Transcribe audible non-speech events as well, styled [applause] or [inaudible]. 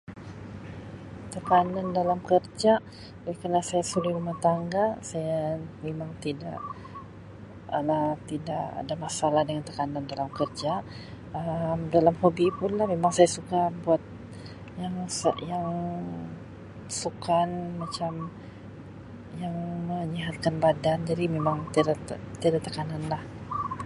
Tekanan dalam kerja oleh kerna saya suri rumah tangga saya memang tidak ada tidak ada masalah dengan tekanan dalam kerja Um dalam hobi pula memang saya suka buat yang [unintelligible] yang sukan macam yang menyihatkan badan jadi mimang t-tiada tekanan lah.